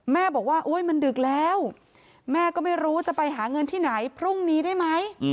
แม่บอกว่าโอ๊ยมันดึกแล้วแม่ก็ไม่รู้จะไปหาเงินที่ไหนพรุ่งนี้ได้ไหม